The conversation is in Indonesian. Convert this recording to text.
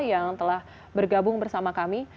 yang telah bergabung bersama kami